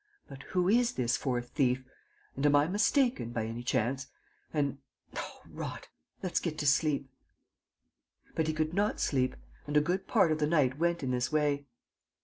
But who is this fourth thief? And am I mistaken, by any chance? And ... oh, rot!... Let's get to sleep!..." But he could not sleep; and a good part of the night went in this way.